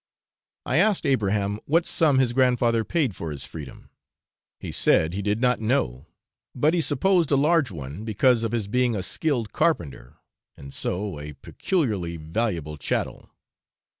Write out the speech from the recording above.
I asked Abraham what sum his grandfather paid for his freedom: he said he did not know, but he supposed a large one, because of his being a 'skilled carpenter,' and so a peculiarly valuable chattel.